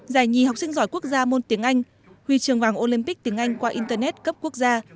giải nhì học sinh giỏi quốc gia môn tiếng anh huy trường vàng olympic tiếng anh qua internet cấp quốc gia